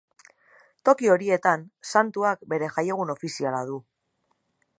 Toki horietan, santuak bere jaiegun ofiziala du.